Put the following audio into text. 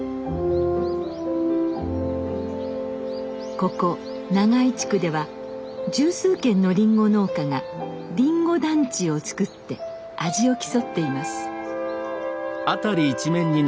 ここ長井地区では十数軒のりんご農家が「りんご団地」を作って味を競っています。